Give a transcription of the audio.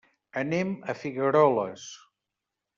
Anem a Figueroles.